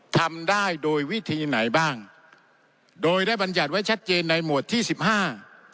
ทำได้โดยวิธีไหนบ้างโดยได้บรรยัติไว้ชัดเจนในหมวดที่สิบห้า